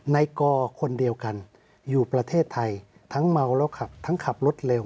ในกอคนเดียวกันอยู่ประเทศไทยทั้งเมาแล้วขับทั้งขับรถเร็ว